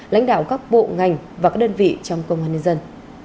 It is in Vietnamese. lãnh đạo các bộ ngành và các đơn vị trong công an nhân dân